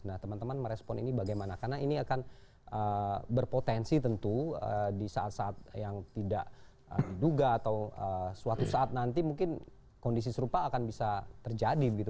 nah teman teman merespon ini bagaimana karena ini akan berpotensi tentu di saat saat yang tidak duga atau suatu saat nanti mungkin kondisi serupa akan bisa terjadi gitu